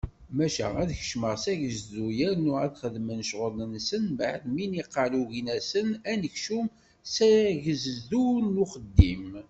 Maca ad kecmen s agezdu yernu ad xedmen ccɣel-nsen, mbeɛd mi niqal ugin-asen anekcum s agezdu d uxeddim.